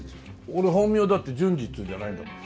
俺本名だって純次っつうんじゃないんだもん。